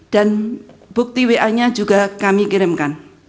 dan bukti wa nya juga kami kirimkan